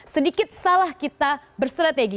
sedikit salah kita bersrategi